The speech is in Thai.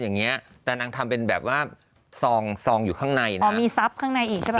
อย่างงี้แต่นางทำเป็นแบบว่าซองอยู่ข้างในน่ะอ๋อมีซับข้างในอยู่เนี่ย